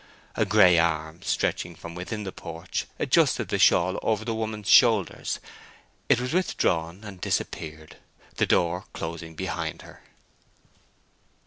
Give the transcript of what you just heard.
A gray arm, stretching from within the porch, adjusted the shawl over the woman's shoulders; it was withdrawn and disappeared, the door closing behind her.